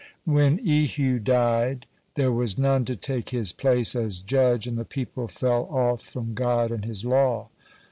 When Ehud died, there was none to take his place as judge, and the people fell off from God and His law.